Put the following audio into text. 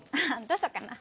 どうしようかな？